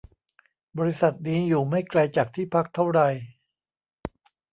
บริษัทนี้อยู่ไม่ไกลจากที่พักเท่าไร